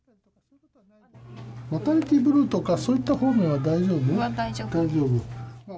マタニティーブルーとかそういった方面は大丈夫？